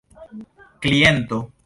kliento